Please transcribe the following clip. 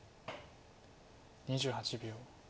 ２８秒。